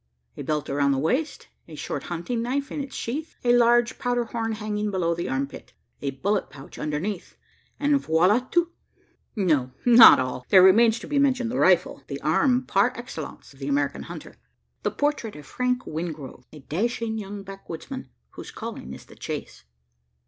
A belt around the waist a short hunting knife in its sheath a large powder horn hanging below the arm pit a bullet pouch underneath, and voila tout! No, not all, there remains to be mentioned the rifle the arm par excellence of the American hunter. The portrait of Frank Wingrove a dashing young backwoodsman, whose calling is the chase.